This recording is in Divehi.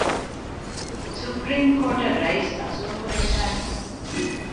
ސުޕްރީމް ކޯޓަށް ރައީސް އަޒުލް ކުރެވިދާނެތަ؟